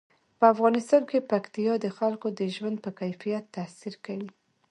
په افغانستان کې پکتیا د خلکو د ژوند په کیفیت تاثیر کوي.